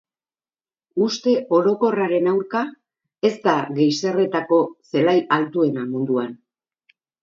Uste orokorraren aurka, ez da geiserretako zelai altuena munduan.